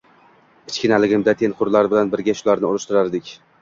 Kichkinaligimda tengqurlar bilan birga shularniyam urishtirardik.